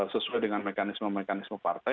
sesuai dengan mekanisme mekanisme partai